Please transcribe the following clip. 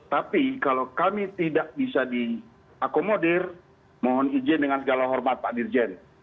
tapi kalau kami tidak bisa diakomodir mohon izin dengan segala hormat pak dirjen